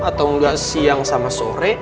atau enggak siang sama sore